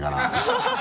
ハハハ